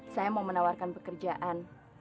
saya mau menawarkan pekerjaan